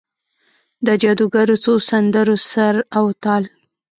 د جادوګرو څو سندرو سر او تال،